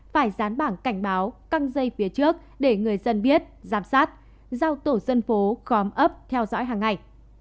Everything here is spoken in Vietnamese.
phải dán bảng cảnh báo căng dây phía trước để người dân biết giám sát giao tổ dân phố khóm ấp theo dõi hàng ngày